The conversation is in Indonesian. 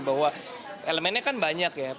bahwa elemennya kan banyak ya